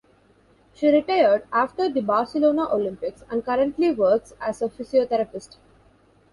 She retired after the Barcelona Olympics and currently works as a physiotherapist.